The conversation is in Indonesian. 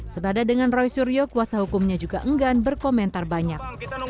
senada dengan roy suryo kuasa hukumnya juga enggan berkomentar banyak